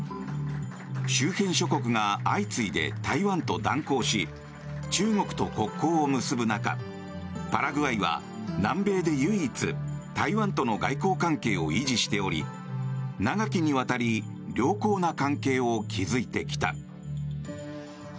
周辺諸国が相次いで台湾と断交し中国と国交を結ぶ中パラグアイは南米で唯一台湾との外交関係を維持しており長きにわたり良好な関係を築いてきた。